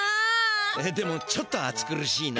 でもちょっと暑苦しいな。